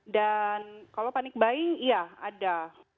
dan kalau panic buying iya ada